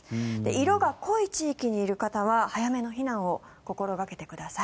色が濃い地域にいる方は早めの避難を心掛けてください。